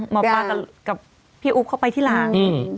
หมอปลากับพี่อุ๊บเข้าไปที่หลัง